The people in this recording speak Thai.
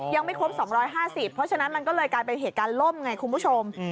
ยังไม่ครบ๒๕๐เพราะฉะนั้นมันก็เลยกลายเป็นเหตุการณ์ล่มไงคุณผู้ชม